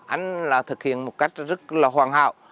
anh đã thực hiện một cách rất là hoàn hảo